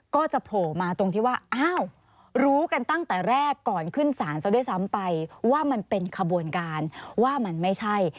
โผล่มาตรงที่ว่าอ้าวรู้กันตั้งแต่แรกก่อนขึ้นศาลซะด้วยซ้ำไปว่ามันเป็นขบวนการว่ามันไม่ใช่